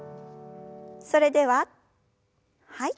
それでははい。